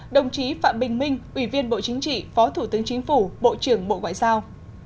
đồng chí phạm bình minh ủy viên bộ chính trị phó thủ tướng chính phủ bộ trưởng bộ ngoại giao